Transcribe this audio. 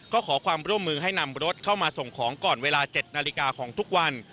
ก็ขอความร่วมมือให้นำรถเข้ามาส่งของก่อนเวลา๗นาฬิกาของทุกวัน